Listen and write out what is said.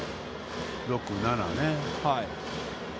６、７ね。